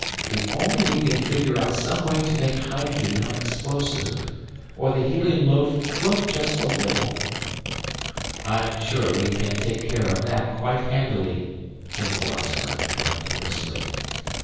If only we can figure out some way to make hydrogen non explosive or the helium loaf float just a little " "I'm sure we can take care of that quite handily," Tin Philosopher interrupted briskly.